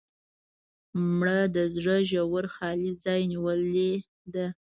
مړه د زړه ژور خالي ځای نیولې ده